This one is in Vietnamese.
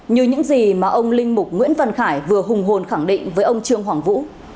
như những gì mà ông linh mục nguyễn văn khải vừa hùng hồn khẳng định với ông trương hoàng vũ